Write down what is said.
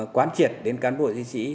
quán triệt đến cán bộ chiến sĩ